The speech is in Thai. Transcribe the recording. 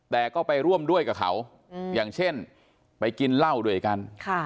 แต่ก็ไปร่วมด้วยกับเขาอย่างเช่นไปกินเหล้าด้วยกัน